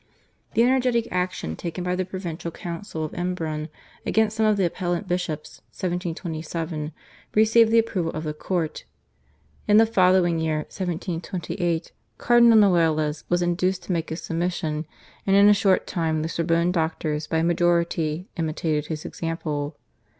The energetic action taken by the provincial council of Embrun against some of the /Appellant/ bishops (1727) received the approval of the court. In the following year (1728) Cardinal Noailles was induced to make his submission, and in a short time the Sorbonne doctors by a majority imitated his example.